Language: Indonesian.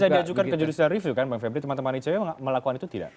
bisa diajukan ke judicial review kan bang febri teman teman icw melakukan itu tidak